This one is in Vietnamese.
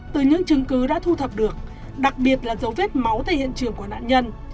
từ những chứng cứ đã thu thập được đặc biệt là dấu vết máu tại hiện trường của nạn nhân